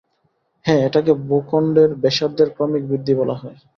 হ্যাঁ, এটাকে ভূখণ্ডের ব্যাসার্ধের ক্রমিক বৃদ্ধি বলা হয়।